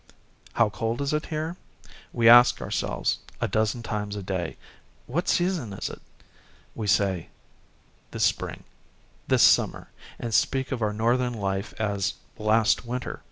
How cold is it here? We ask ourselves, a dozen times a day, " What season is it ?" We say, "This spring," " This summer,"and speak of our Northern life as "last winter."